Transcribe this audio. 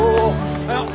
おはよう！